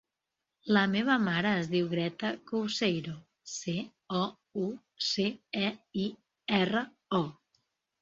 La meva mare es diu Greta Couceiro: ce, o, u, ce, e, i, erra, o.